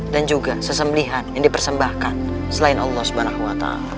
dan juga sesembelihan yang dipersembahkan selain allah subhanahu wa ta'ala